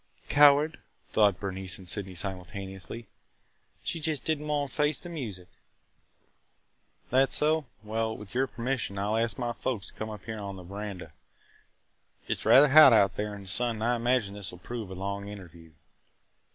"Coward!" thought Bernice and Sydney simultaneously. "She just did n't want to face the music!" "That so? Well, with your permission, I 'll ask my folks to come up here on the veranda. It 's rather hot out there in the sun and I imagine this will prove a long interview."